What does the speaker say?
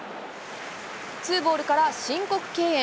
ツーボールから申告敬遠。